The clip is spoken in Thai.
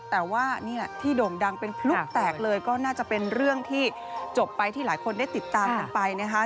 แต่ว่านี่แหละที่โด่งดังเป็นพลุแตกเลยก็น่าจะเป็นเรื่องที่จบไปที่หลายคนได้ติดตามกันไปนะคะ